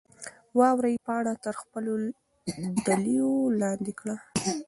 واورې پاڼه تر خپلو دلیو لاندې کړه.